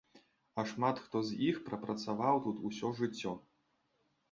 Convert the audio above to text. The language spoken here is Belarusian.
А шмат хто з іх прапрацаваў тут усё жыццё.